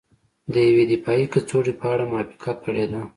د یوې دفاعي کڅوړې په اړه موافقه کړې ده